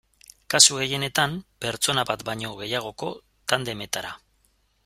Kasu gehienetan, pertsona bat baino gehiagoko tandemetara.